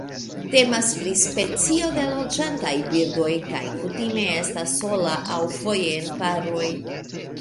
Temas pri specio de loĝantaj birdoj kaj kutime estas sola aŭ foje en paroj.